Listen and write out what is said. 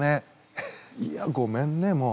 ハハいやごめんねもう。